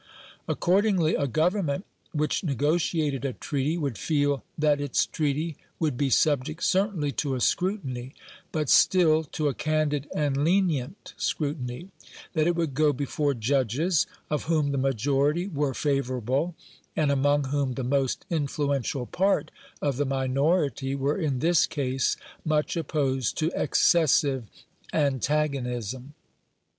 Accordingly, a Government which negotiated a treaty would feel that its treaty would be subject certainly to a scrutiny, but still to a candid and lenient scrutiny; that it would go before judges, of whom the majority were favourable, and among whom the most influential part of the minority were in this case much opposed to excessive antagonism.